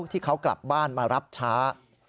ที่เขากลับบ้านมารับช้า